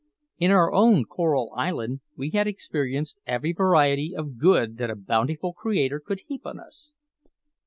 In our own Coral Island we had experienced every variety of good that a bountiful Creator could heap on us.